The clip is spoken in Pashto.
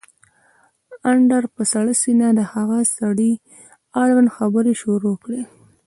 اندړ په سړه سينه د هغه سړي اړوند خبرې شروع کړې